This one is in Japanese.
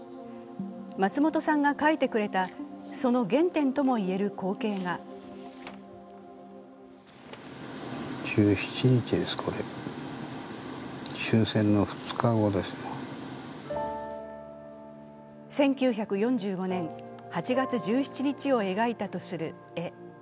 松本さんが描いてくれた、その原点とも言える光景が１９４５年８月１７日を描いたとする絵。